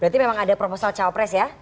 berarti memang ada proposal cawapres ya